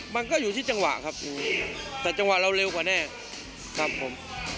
มันก็อยู่ที่จังหวะครับแต่จังหวะเราเร็วกว่าแน่ครับผม